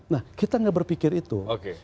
nah kita nggak berpikir itu